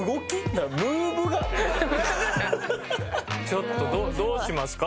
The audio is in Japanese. ちょっとどうしますか？